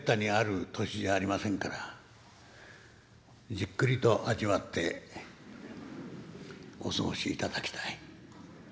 じっくりと味わってお過ごしいただきたい。